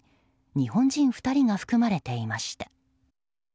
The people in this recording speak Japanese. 日本人２人が含まれていました。